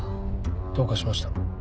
どうかしました？